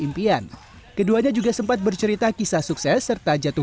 impian keduanya juga sempat bercerita kisah sukses serta jatuh